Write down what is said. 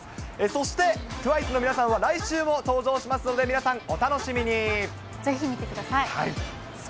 そしてＴＷＩＣＥの皆さんは、来週も登場しますので、皆さん、ぜひ見てください。